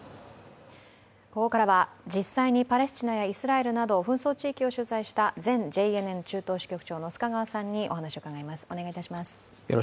ここからは実際にパレスチナやイスラエルなど紛争地域を取材した前ＪＮＮ中東支局長の須賀川さんにお話を伺います。